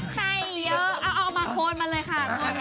ให้เยอะเอามาโคนมาเลยค่ะ